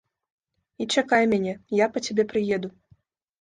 І чакай мяне, я па цябе прыеду.